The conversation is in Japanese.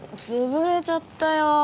つぶれちゃったよ。